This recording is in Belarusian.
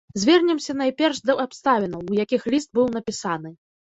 Звернемся найперш да абставінаў, у якіх ліст быў напісаны.